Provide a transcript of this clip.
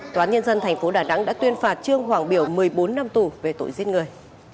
tòa nhân dân tp đà nẵng đã tuyên phạt trương hoàng biểu một mươi bốn năm tù về tội giết người